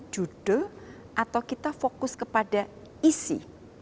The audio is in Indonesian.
judul atau kita fokus kepada isi